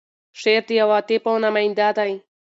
شعر د عواطفو نماینده دی.